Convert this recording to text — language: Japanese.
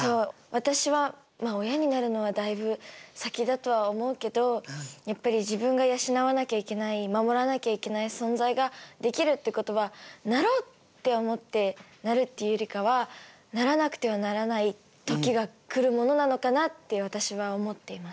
私は親になるのはだいぶ先だとは思うけどやっぱり自分が養わなきゃいけない守らなきゃいけない存在ができるってことはなろうって思ってなるっていうよりかはならなくてはならない時が来るものなのかなって私は思っています。